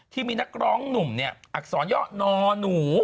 ที่มีนักร้องหนุ่มอักษรย่อนอหนู